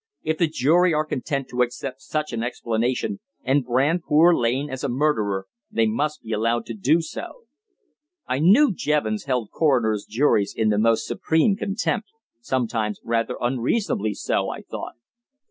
If the jury are content to accept such an explanation, and brand poor Lane as a murderer, they must be allowed to do so." I knew Jevons held coroners' juries in the most supreme contempt; sometimes rather unreasonably so, I thought.